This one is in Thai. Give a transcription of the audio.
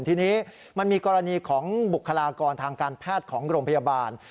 ทีนี้มันมีกรณีของบุคลากรทางการแพทย์ของโรงพยาบาล